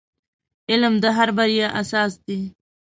• علم د هر بریا اساس دی.